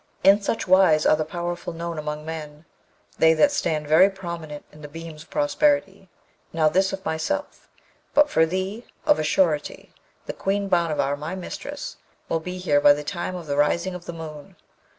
In such wise are the powerful known among men, they that stand very prominent in the beams of prosperity! Now this of myself; but for thee of a surety the Queen Bhanavar, my mistress, will be here by the time of the rising of the moon.